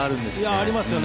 ありますよね。